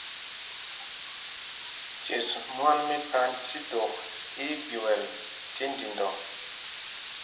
Ces mwân mí Panjtítok í í ɓyɛl tí ndindɔ.